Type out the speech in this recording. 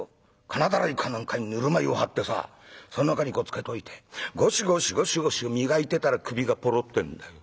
金だらいか何かにぬるま湯を張ってさそん中にこうつけといてゴシゴシゴシゴシ磨いてたら首がポロッてんだよ。